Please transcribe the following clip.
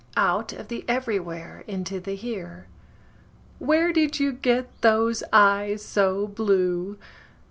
Out of the everywhere into the here. Where did you get those eyes so blue?